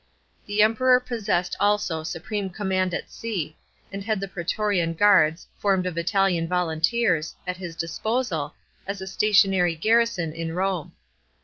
The Emperor possessed also supreme command at sea, and had the prsetorian guards, formed of Italian volunteers, at his disposal, as a stationary garrison at Rome.